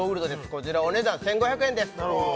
こちらお値段１５００円です